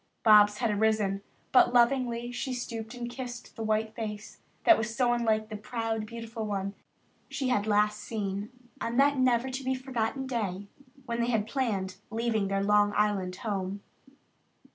Bobs had arisen, but lovingly she stooped and kissed the white face that was so unlike the proud, beautiful one she had last seen on that never to be forgotten day when they had planned leaving their Long Island home.